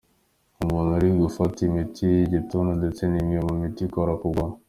Umuntu uri gufata imiti y’igituntu ndetse n’imwe mu miti ikora ku bwonko.